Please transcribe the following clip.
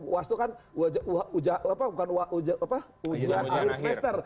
uas itu kan ujian akhir semester